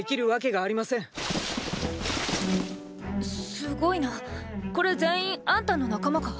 すごいなこれ全員アンタの仲間か？